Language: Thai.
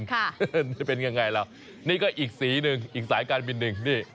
นี่เป็นยังไงล่ะนี่ก็อีกสีหนึ่งอีกสายการบินหนึ่งนี่